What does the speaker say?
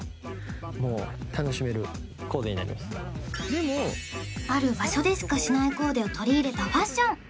もう楽しめるコーデになりますある場所でしかしないコーデを取り入れたファッション